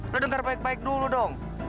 lu denger baik baik dulu dong